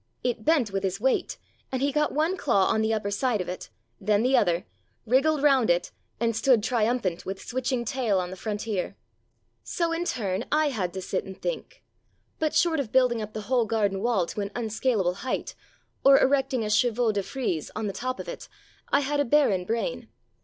It bent with his weight, and he got one claw on the upper side of it, then the other, wriggled round it, and stood triumphant with switching tail on the frontier. So in turn I had to sit and think; but, short of building up the whole garden wall to an unscalable height, or erecting a chevaux de frise on the top of 257 There Arose a King it, I had a barren brain.